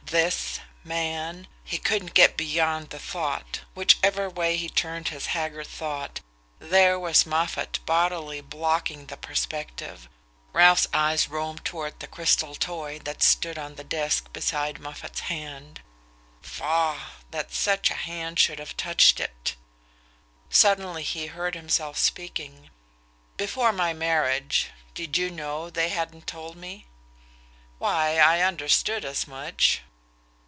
THIS man..." he couldn't get beyond the thought: whichever way he turned his haggard thought, there was Moffatt bodily blocking the perspective...Ralph's eyes roamed toward the crystal toy that stood on the desk beside Moffatt's hand. Faugh! That such a hand should have touched it! Suddenly he heard himself speaking. "Before my marriage did you know they hadn't told me?" "Why, I understood as much..."